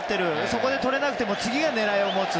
そこでとれなくても次が狙いを持つ。